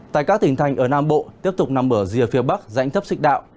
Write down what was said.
tại các tỉnh thành ở nam bộ tiếp tục nằm ở rìa phía bắc dãnh thấp xích đạo